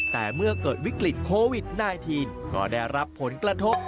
แต่เมื่อเกิดวิกฤตโควิด๑๙ก็ได้รับผลกระทบ